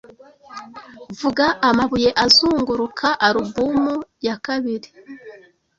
Vuga amabuye azunguruka alubumu ya kabiri